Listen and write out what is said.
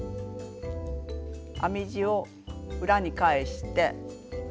編み地を裏に返して。